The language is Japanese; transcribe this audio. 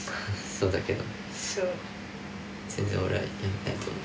そうだけど。